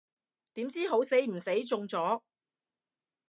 點知好死唔死中咗